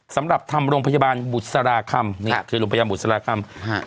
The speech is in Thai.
สำหรับทำโรงพยาบาลบุษราคำนี่คือโรงพยาบาลบุษราคำฮะ